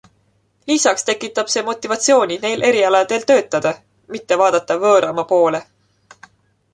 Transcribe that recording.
Lisaks tekitab see motivatsiooni neil erialadel töötada, mitte vaadata võõramaa poole.